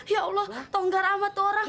ya allah tonggar amat orang